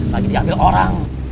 lagi diambil orang